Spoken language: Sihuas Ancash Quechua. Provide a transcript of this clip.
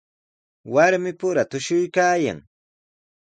Warmipura tushuykaayan.